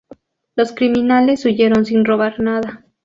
Los criminales huyeron sin robar nada.